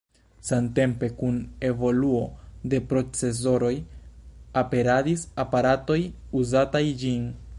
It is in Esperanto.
Samtempe kun evoluo de procesoroj aperadis aparatoj uzataj ĝin.